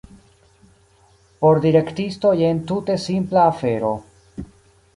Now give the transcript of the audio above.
Por direktisto jen tute simpla afero.